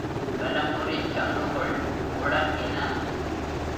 வலம்புரிச் சங்குகள் முழங்கின.